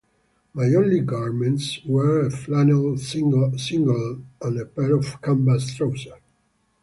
My only garments were a flannel singlet and a pair of canvas trousers.